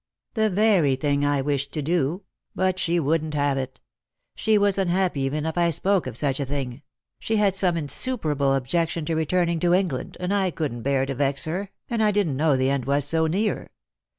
" The very thing I wished to do ; but she wouldn't have it. She was unhappy even if I spoke of such a thing; she had some insuperable objection to returning to England, and I couldn't bear to vex her, and I didn't know the end was so near.